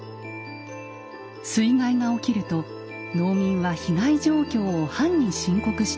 水害が起きると農民は被害状況を藩に申告していました。